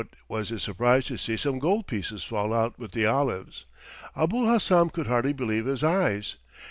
What was his surprise to see some gold pieces fall out with the olives. Abul Hassan could hardly believe his eyes.